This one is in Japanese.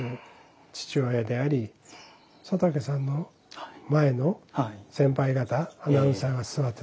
父親であり佐竹さんの前の先輩方アナウンサーが座ってたんですよね。